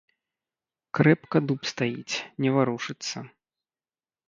Крэпка дуб стаіць, не варушыцца!